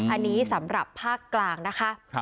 อันนี้สำหรับภาคกลางนะคะ